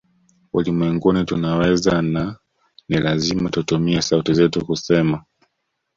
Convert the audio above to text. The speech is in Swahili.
Ulimwenguni tunaweza na ni lazima tutumie sauti zetu kusema